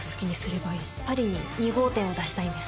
パリに２号店を出したいんです。